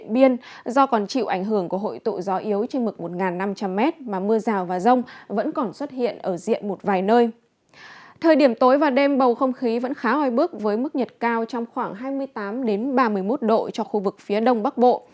thời điểm tối và đêm bầu không khí vẫn khá oi bức với mức nhiệt cao trong khoảng hai mươi tám ba mươi một độ cho khu vực phía đông bắc bộ